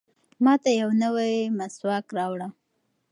ماته یو نوی مسواک راوړه.